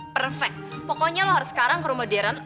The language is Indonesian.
perfect pokoknya lo harus sekarang ke rumah darren